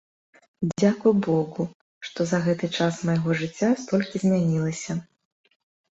Дзякуй богу, што за гэты час майго жыцця столькі змянілася.